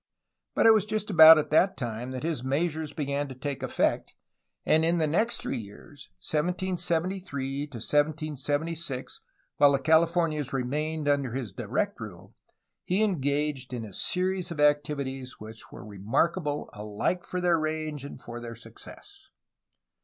But it was just about at that time that his measures began to take effect, and in the next three years, 1773 to 1776, while the Californias remained under his direct rule, he engaged in a series of activities which were remarkable alike for their range and for their success.